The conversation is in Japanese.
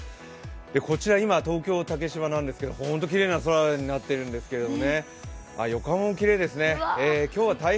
こちらは今、東京・竹芝なんですけど、本当にきれいな空になっているんですよね。